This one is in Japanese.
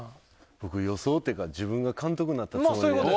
僕予想っていうか自分が監督になったつもりで。